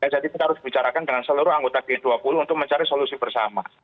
jadi kita harus bicarakan dengan seluruh anggota g dua puluh untuk mencari solusi bersama